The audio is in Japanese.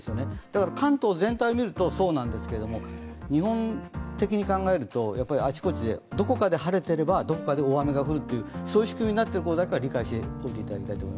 だから関東全体を見ると、そうなんですけど日本的に考えると、あちこちで、どこかで晴れていればどこかで大雨が降る仕組みになっていることは理解してください。